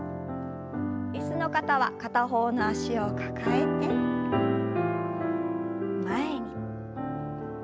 椅子の方は片方の脚を抱えて前に。